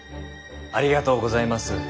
ありがとうございます。